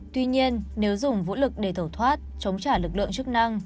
tuy nhiên nếu dùng vũ lực để thẩu thoát chống trả lực lượng chức năng